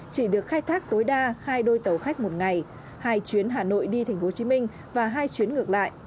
chỉ được khai thác tối đa hai đôi tàu khách một ngày hai chuyến hà nội đi tp hcm và hai chuyến ngược lại